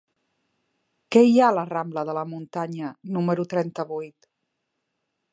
Què hi ha a la rambla de la Muntanya número trenta-vuit?